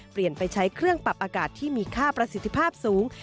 เปลี่ยนไปใช้เครื่องปรับอากาศที่มีค่าประสิทธิภาพสูง